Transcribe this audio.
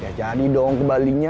ya jadi dong kembali ya